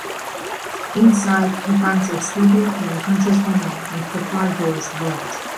Inside he finds a sleeping or unconscious woman with the car doors locked.